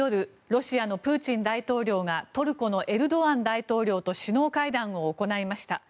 ロシアのプーチン大統領がトルコのエルドアン大統領と首脳会談を行いました。